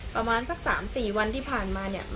ไม่มีอะไรแหละไม่ได้ยินข้าว